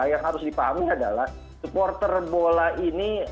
yang harus dipahami adalah supporter bola ini